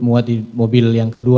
muat di mobil yang kedua